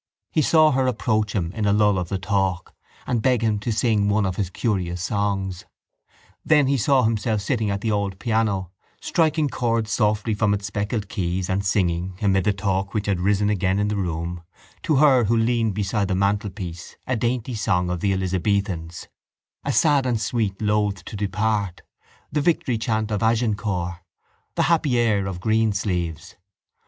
He saw her approach him in a lull of the talk and beg him to sing one of his curious songs. Then he saw himself sitting at the old piano, striking chords softly from its speckled keys and singing, amid the talk which had risen again in the room, to her who leaned beside the mantelpiece a dainty song of the Elizabethans, a sad and sweet loth to depart, the victory chant of Agincourt, the happy air of Greensleeves.